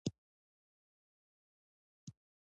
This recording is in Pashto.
آیا دوی له پخوانیو عسکرو سره مرسته نه کوي؟